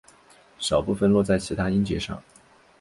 少部分落在其它音节上。